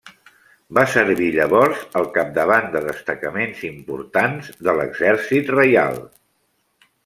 Va servir llavors al capdavant de destacaments importants de l'exèrcit reial.